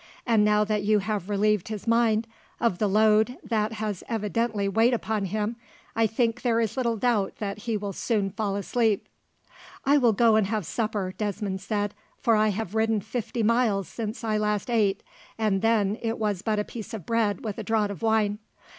And now that you have relieved his mind of the load that has evidently weighed upon him, I think there is little doubt that he will soon fall asleep." "I will go and have supper," Desmond said, "for I have ridden fifty miles since I last ate, and then it was but a piece of bread with a draught of wine.